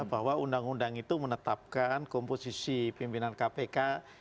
bahwa undang undang itu menetapkan komposisi pimpinan kpk